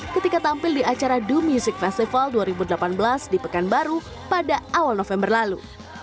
ketika tampil di acara do music festival dua ribu delapan belas di pekanbaru pada awal november lalu